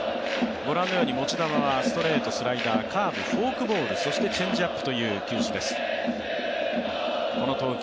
持ち球はストレート、スライダーカーブ、フォークボール、そしてチェンジアップという球種です。